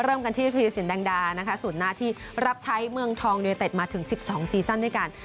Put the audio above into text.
เริ่มกันที่ชีวิตสินแดงดาส่วนหน้าที่รับใช้เมืองทองโดยเตะมาถึง๑๒ซีซั่นด้วยกัน